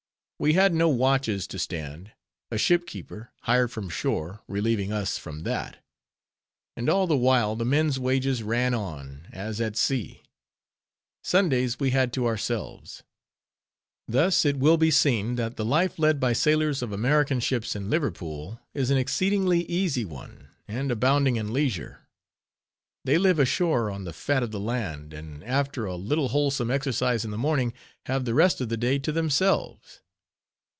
We had no watches to stand, a ship keeper, hired from shore, relieving us from that; and all the while the men's wages ran on, as at sea. Sundays we had to ourselves. Thus, it will be seen, that the life led by sailors of American ships in Liverpool, is an exceedingly easy one, and abounding in leisure. They live ashore on the fat of the land; and after a little wholesome exercise in the morning, have the rest of the day to themselves.